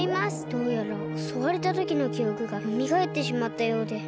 どうやらおそわれたときのきおくがよみがえってしまったようで。